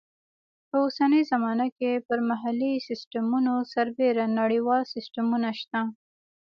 په اوسنۍ زمانه کې پر محلي سیسټمونو سربیره نړیوال سیسټمونه شته.